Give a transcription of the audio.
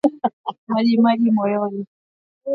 Majimaji moyoni